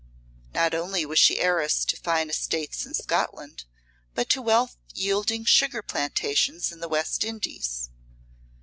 Not only was she heiress to fine estates in Scotland, but to wealth yielding sugar plantations in the West Indies.